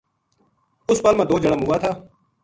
اُس پل ما دو جنا مُوا تھا